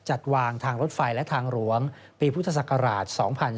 จัดวางทางรถไฟและทางหลวงปีพุทธศักราช๒๕๕๙